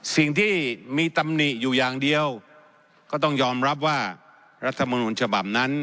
สิ่งที่มีตำหนิอยู่อย่างเดียวก็ต้องยอมรับว่ารัฐมนุนฉบับนั้น